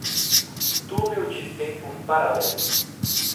Túnel de tempo paralelo